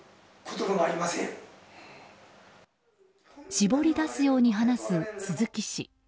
絞り出すように話す鈴木氏。